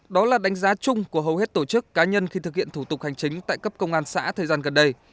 đó là đánh giá chung của hầu hết tổ chức cá nhân khi thực hiện thủ tục hành chính tại cấp công an xã thời gian gần đây